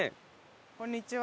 こんにちは。